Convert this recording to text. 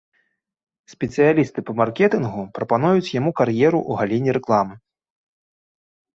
Спецыялісты па маркетынгу прапануюць яму кар'еру ў галіне рэкламы.